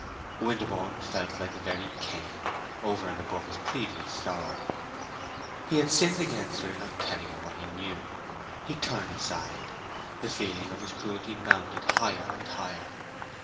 Winterborne felt like a very Cain, over and above his previous sorrow. How he had sinned against her in not telling her what he knew. He turned aside; the feeling of his cruelty mounted higher and higher.